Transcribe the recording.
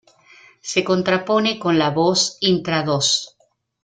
Se contrapone con la voz intradós.